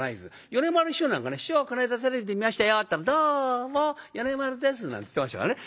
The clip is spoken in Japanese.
米丸師匠なんかね「師匠この間テレビで見ましたよ」って言ったら「どうも米丸です」なんて言ってましたからね。